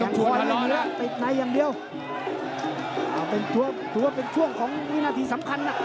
ต้องชวนว่ารอแล้วเป็นช่วงของวินาทีสำคัญน่ะ